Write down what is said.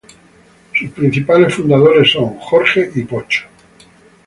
Sus principales fundadores son "jorge" y "pocho".